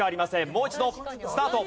もう一度スタート！